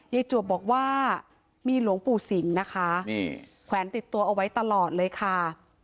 จวบบอกว่ามีหลวงปู่สิงนะคะนี่แขวนติดตัวเอาไว้ตลอดเลยค่ะ